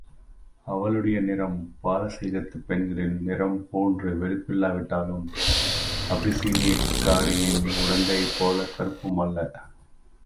அவளுடைய நிறம் பாரசீகத்துப் பெண்களின் நிறம்போன்ற வெளுப்பில்லாவிட்டாலும் அபிசீனியாக்காரியின் உடையதைப் போலக் கருப்பும் அல்ல.